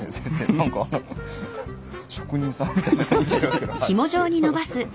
何か職人さんみたいな手つきしてますけど。